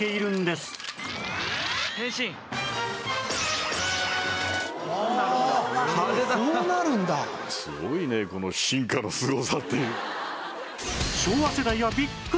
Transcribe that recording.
すごいねこの進化のすごさって。